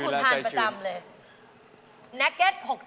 ๘๗บาท